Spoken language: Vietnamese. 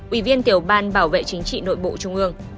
ủy viên tiểu ban bảo vệ chính trị nội bộ trung ương